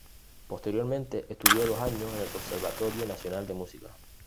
Posteriormente estudió dos años en el Conservatorio Nacional de Música.